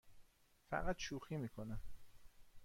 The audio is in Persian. فقط شوخی می کنم.